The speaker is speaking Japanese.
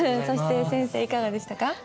そして先生いかがでしたか。